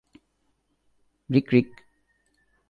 রিক, রিক।